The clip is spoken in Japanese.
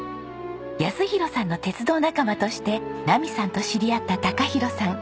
泰弘さんの鉄道仲間として奈美さんと知り合った昂広さん。